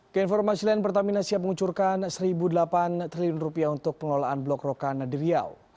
keinformasi lain pertamina siap mengucurkan rp satu delapan triliun untuk pengelolaan blok roka nadirial